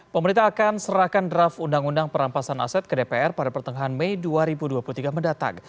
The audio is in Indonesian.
pemerintah akan serahkan draft undang undang perampasan aset ke dpr pada pertengahan mei dua ribu dua puluh tiga mendatang